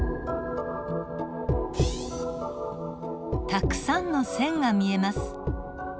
たくさんの線が見えます。